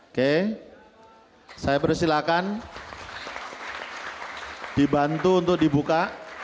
oke saya persilahkan dibantu untuk dibuka